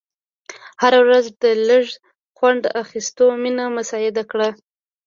هره ورځ د لیږ خوند اخېستو زمینه مساعده کړه.